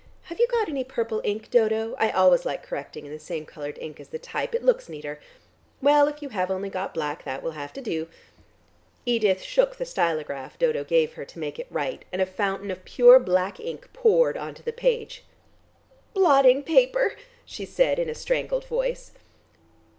Have you got any purple ink, Dodo? I always like correcting in the same coloured ink as the type; it looks neater. Well, if you have only got black that will have to do." Edith shook the stylograph Dodo gave her to make it write, and a fountain of pure black ink poured on to the page. "Blotting paper," she said in a strangled voice.